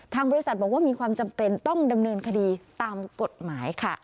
บริษัทบอกว่ามีความจำเป็นต้องดำเนินคดีตามกฎหมายค่ะ